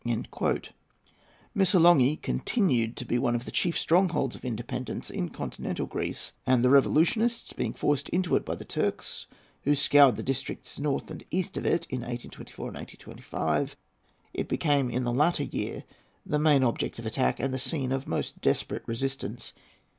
"[A] Missolonghi continued to be one of the chief strongholds of independence in continental Greece; and, the revolutionists being forced into it by the Turks, who scoured the districts north and east of it in 1824 and 1825, it became in the latter year the main object of attack and the scene of most desperate resistance.